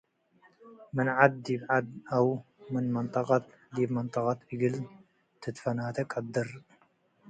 ምን ዐድ ዲብ ዐድ አው ምን መንጠቀት ዲብ መንጠቀት እግል ትትፈናቴ ቀድር ።